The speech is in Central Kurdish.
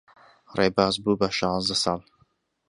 ڕێباز بوو بە شازدە ساڵ.